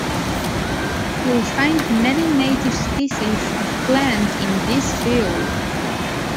You'll find many native species of plant in this field